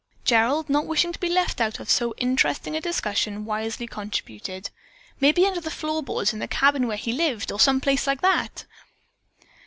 Gerald, not wishing to be left out of so interesting a discussion, wisely contributed, "Maybe under the floor boards in the cabin where he lived, or some place like that."